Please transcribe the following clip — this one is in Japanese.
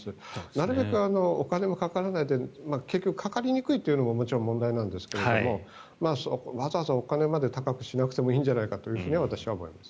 なるべくお金もかからないで結局かかりにくいというのももちろん問題なんですがわざわざお金まで高くしなくてもいいんじゃないかと私は思います。